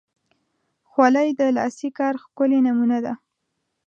خولۍ د لاسي کار ښکلی نمونه ده.